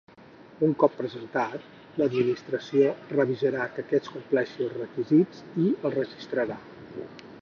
Un cop presentat, l'Administració revisarà que aquest compleixi els requisits i el registrarà.